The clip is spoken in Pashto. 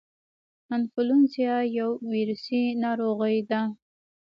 انفلونزا یو ویروسي ناروغي ده